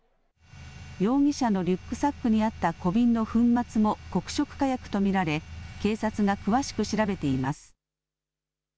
容疑者のリュックサックにあった小瓶の粉末も黒色火薬と見られ、警察が詳しく調べています。